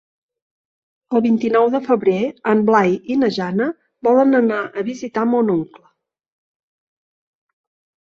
El vint-i-nou de febrer en Blai i na Jana volen anar a visitar mon oncle.